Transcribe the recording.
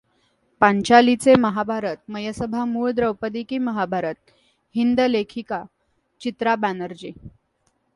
पांचालीचे महाभारत मयसभा मूळ द्रौपदी की महाभारत, हिंदी लेखिका चित्रा बॅनर्जी